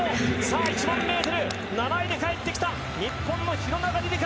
１００００ｍ、７位で帰ってきた日本の廣中璃梨佳